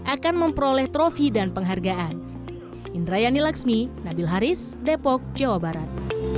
akan memperoleh trofi dan penghargaan